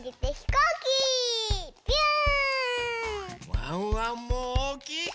ワンワンもおおきいひ